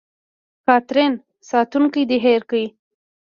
کاترین: ساتونکی دې هېر کړ.